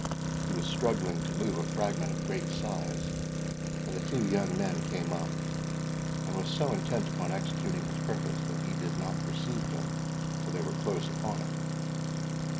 He was struggling to move a fragment of great size when the two young men came up, and was so intent upon executing his purpose, that he did not perceive them till they were close upon him.